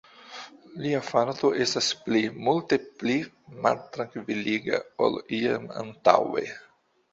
Lia farto estas pli, multe pli maltrankviliga, ol iam antaŭe.